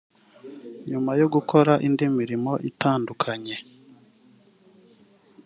nyuma yo gukora indi mirimo itandukanye